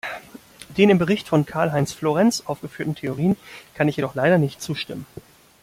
Den im Bericht von Karl-Heinz Florenz aufgeführten Theorien kann ich jedoch leider nicht zustimmen.